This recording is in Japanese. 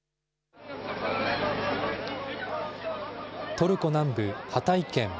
トルコ南部ハタイ県。